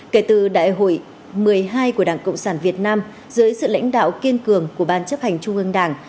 kể từ đại hội một mươi hai của đảng cộng sản việt nam dưới sự lãnh đạo kiên cường của ban chấp hành trung ương đảng